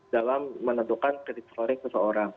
dalam menentukan kredit storing seseorang